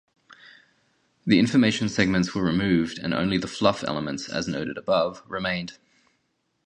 The information segments were removed and only the "fluff" elements, as noted above, remained.